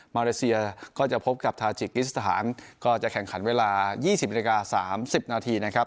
มาเลเซียก็จะพบกับทาจิกฤทธิษฐานก็จะแข่งขันเวลายี่สิบนาฬิกาสามสิบนาทีนะครับ